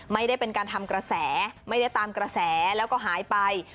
ไม่ได้เป็นการทำกระแสไม่ได้ตามกระแสแล้วก็หายไป